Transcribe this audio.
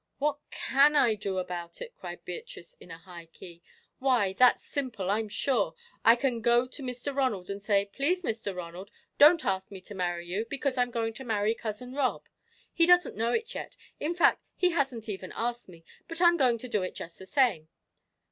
"What can I do about it?" cried Beatrice, in a high key "why, that's simple, I'm sure! I can go to Mr. Ronald and say, 'Please, Mr. Ronald, don't ask me to marry you, because I'm going to marry Cousin Rob. He doesn't know it yet; in fact, he hasn't even asked me, but I'm going to do it just the same.'